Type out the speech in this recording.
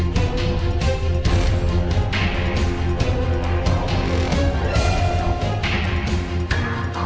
mama punya rencana